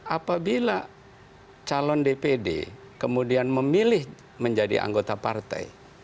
apabila calon dpd kemudian memilih menjadi anggota partai